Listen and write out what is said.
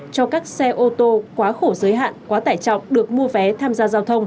cho các xe ô tô quá khổ giới hạn quá tải trọng được mua vé tham gia giao thông